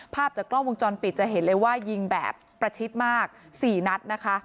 ภาพจากกล้องวงจรปิดจะเห็นเลยว่ายิงแบบประชิดมาก๔นัดนะคะ